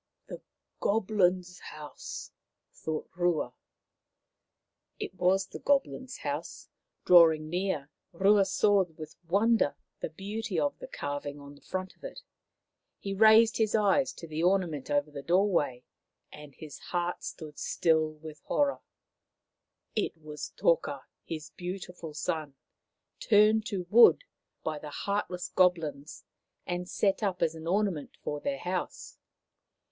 " The Goblins' house !" thought Rua. It was the Goblins' house. Drawing nearer, Rua saw with wonder the beauty of the carving on the front of it. He raised his eyes to the orna ment over the doorway, and his heart stood still with horror. It was Toka, his beautiful son, turned to wood by the heartless Goblins and set up as an ornament for their house.